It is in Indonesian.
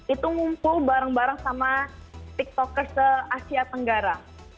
itu ngumpul bareng bareng sama tiktoker se asia tenggara